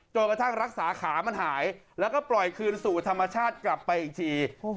กระทั่งรักษาขามันหายแล้วก็ปล่อยคืนสู่ธรรมชาติกลับไปอีกที